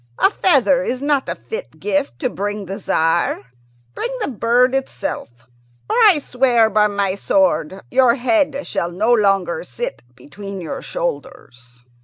A feather is not a fit gift to bring to the Tzar. Bring the bird itself, or, I swear by my sword, your head shall no longer sit between your shoulders!"